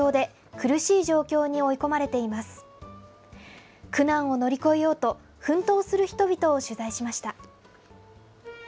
苦難を乗り越えようと、奮闘する人々を取材しました。